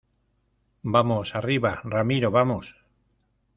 vamos, arriba. ramiro , vamos .